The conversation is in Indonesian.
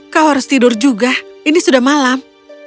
kau harus tidur juga ini sudah malam